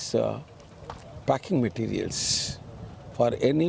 satu adalah bahan pembakaran